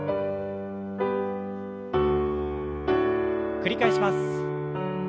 繰り返します。